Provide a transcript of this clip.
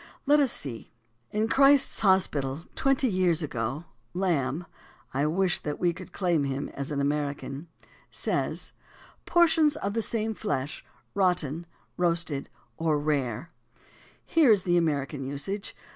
Let us see. In "Christ's Hospital Twenty Years Ago," Lamb (I wish that we could claim him as an American) says: "Por tions of the same flesh, rotten — roasted or rare." Here is the American usage.